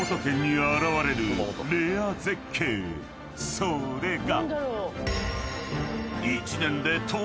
［それが］